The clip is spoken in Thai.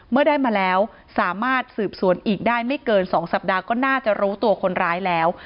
เมื่อได้มาแล้วสามารถสืบสวนอีกได้ไม่เกิน๒สัปดาห์ก็น่าจะรู้ตัวคนร้ายแล้ว